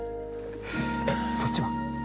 そっちは？